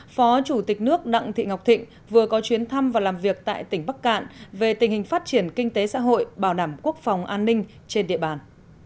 về tình hình phát triển kinh tế xã hội bảo đảm quốc phòng an ninh trên địa bàn